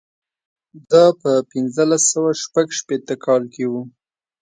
دا په پنځلس سوه شپږ شپېته کال کې و.